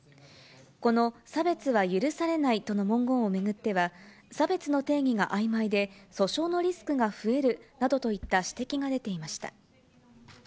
この差別は許されないとの文言を巡っては、差別の定義があいまいで、訴訟のリスクが増えるなどといった指摘が出ていました。